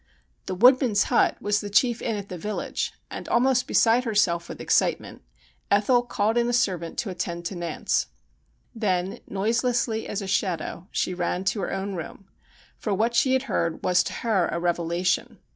The Woodman's Hut was the chief inn in the village, and, almost beside herself with excitement, Ethel called in a servant to attend to Nance. Then, noiselessly as a shadow, she ran to her own room ; for what she had heard was to her a revelation.